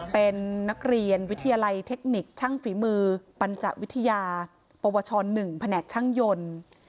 เป็นนักเรียนวิทยาลัยเทคนิคช่างฝีมือปัญจวิทยาปวช๑แผนกช่างยนต์